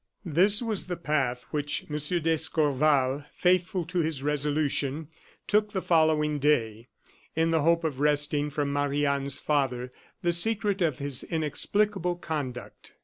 This was the path which M. d'Escorval, faithful to his resolution, took the following day, in the hope of wresting from Marie Anne's father the secret of his inexplicable conduct.